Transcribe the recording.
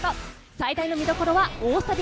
最大の見どころは大サビ。